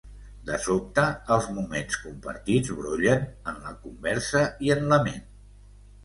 De sobte, els moments compartits brollen en la conversa i en la ment.